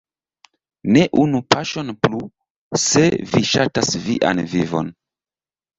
Ne unu paŝon plu, se vi ŝatas vian vivon!